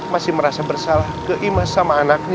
masih merasa bersalah ke imas sama anaknya